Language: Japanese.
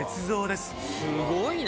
すごいな。